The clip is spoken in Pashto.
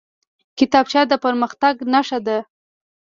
کتابچه د پرمختګ نښه ده